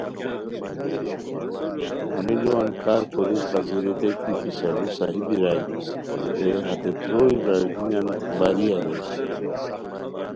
ہمی لوان کارکوری قاضی ریتائے کی پِسہ لو صحیح بیرائے رے ہتے تروئے برارگینیان باری اریر